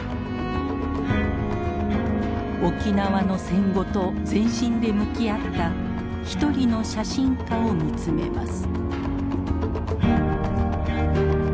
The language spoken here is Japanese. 沖縄の戦後と全身で向き合った一人の写真家を見つめます。